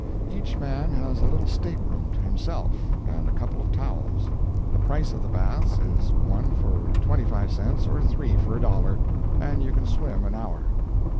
Each man has a little stateroom to himself and a couple of towels. The price of the baths is one for 25 cents or 3 for a dollar, and you can swim an hour.